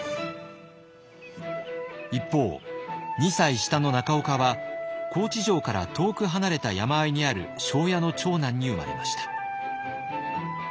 一方２歳下の中岡は高知城から遠く離れた山あいにある庄屋の長男に生まれました。